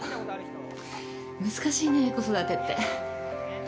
難しいね子育てって。